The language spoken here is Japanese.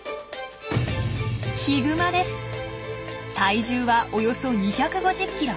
体重はおよそ２５０ｋｇ。